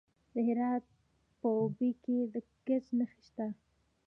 د هرات په اوبې کې د ګچ نښې شته.